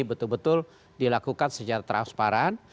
betul betul dilakukan secara transparan